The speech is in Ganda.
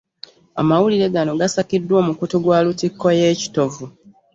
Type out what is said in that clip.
Amawulire gano gakakasiddwa omukutu gwa lutikko ye Kitovu